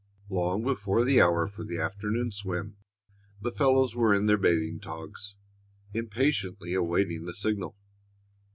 Long before the hour for the afternoon swim the fellows were in their bathing togs, impatiently awaiting the signal.